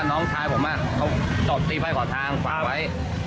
น้องชายผมเขาอจอดมัดตีภัยขอดทางขวางไว้